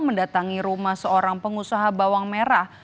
mendatangi rumah seorang pengusaha bawang merah